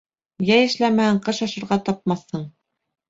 Йәй эшләмәһәң, ҡыш ашарға тапмаҫһың.